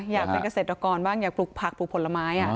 อยากเป็นเกษตรกรบ้างอยากปลูกผักปลูกผลไม้